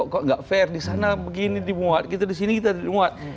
kok nggak fair di sana begini dimuat kita di sini kita dimuat